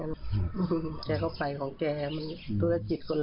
ค่ะฉันก็ไปของแจมันตัวจิตคนละอย่าง